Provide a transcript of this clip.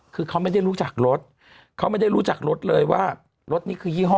คือเขาไม่ได้รู้จักรถเขาไม่ได้รู้จักรถเลยว่ารถนี่คือยี่ห้อ